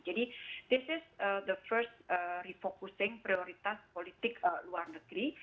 jadi ini adalah prioritas politik luar negeri